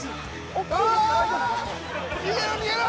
ああ逃げろ逃げろ。